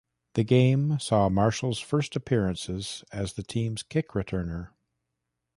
The game saw Marshall's first appearances as the team's kick returner.